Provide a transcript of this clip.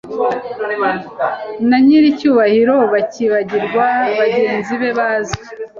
na nyiricyubahiro, bakibagirwa bagenzi be bazwi